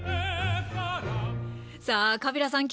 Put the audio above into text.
さあカビラさん